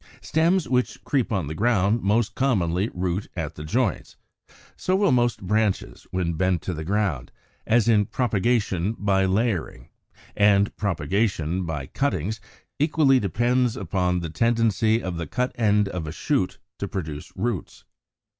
Stems which creep on the ground most commonly root at the joints; so will most branches when bent to the ground, as in propagation by layering; and propagation by cuttings equally depends upon the tendency of the cut end of a shoot to produce roots.